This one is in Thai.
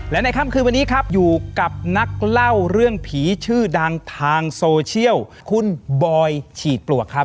และในค่ำคืนวันนี้ครับอยู่กับนักเล่าเรื่องผีชื่อดังทางโซเชียลคุณบอยฉีดปลวกครับ